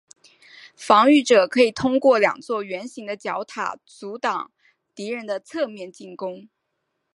防御者可以通过两座圆形的角塔阻挡敌人的侧面进攻。